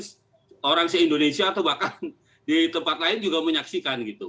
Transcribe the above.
masih indonesia atau bahkan di tempat lain juga menyaksikan gitu